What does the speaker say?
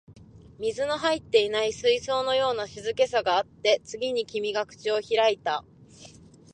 水の入っていない水槽のような静けさがあって、次に君が口を開いた